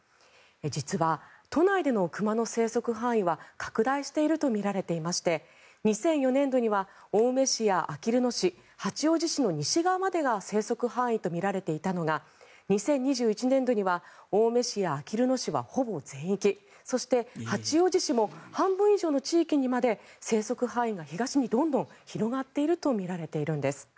実は、都内での熊の生息範囲は拡大しているとみられていまして２００４年度には青梅市やあきる野市八王子市の西側までが生息範囲とみられていたのが２０２１年度には青梅市やあきる野市はほぼ全域そして、八王子市も半分以上の地域にまで生息範囲が東にどんどん広がっているとみられているんです。